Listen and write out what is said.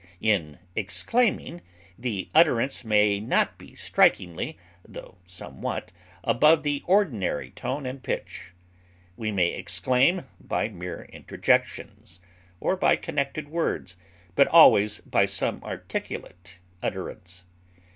In exclaiming, the utterance may not be strikingly, tho somewhat, above the ordinary tone and pitch; we may exclaim by mere interjections, or by connected words, but always by some articulate utterance.